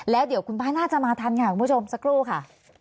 แล้วเดี๋ยวคุณป้าน่าจะมาทันค่ะคุณผู้ชมสักครู่ค่ะ